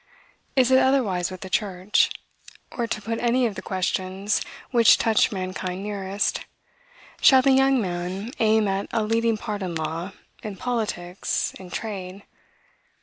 Is it otherwise with the church? Or, to put any of the questions which touch mankind nearest, shall the young man aim at a leading part in law, in politics, in trade?